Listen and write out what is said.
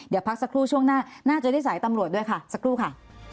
เดี๋ยวพักสักครู่ช่วงหน้าน่าจะได้สายตำรวจด้วยค่ะสักครู่ค่ะ